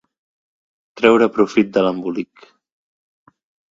Treure profit de l'embolic.